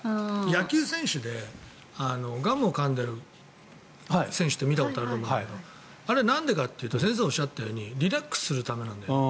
野球選手でガムをかんでる選手って見たことあるんですがあれ、なんでかというと先生がおっしゃったようにリラックスするためなんだよね。